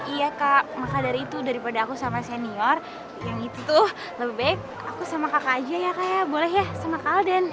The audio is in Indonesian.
iya kak maka dari itu daripada aku sama senior yang itu tuh lebih baik aku sama kakak aja ya kak ya boleh ya sama kalden